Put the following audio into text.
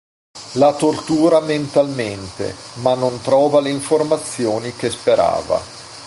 La tortura mentalmente ma non trova le informazioni che sperava.